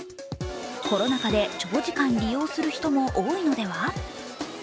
コロナ禍で長時間利用する人も多いのでは。